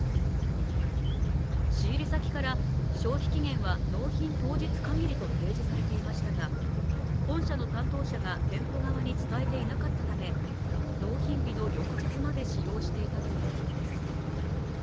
仕入れ先から消費期限は納品当日限りと提示されていましたが、本社の担当者が店舗側に伝えていなかったため納品日の翌日まで使用していたということです。